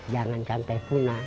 jangan sampai punah